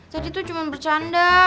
jadi itu cuma bercanda